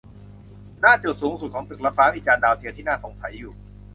ณ จุดสูงสุดของตึกระฟ้ามีจานดาวเทียมที่น่าสงสัยอยู่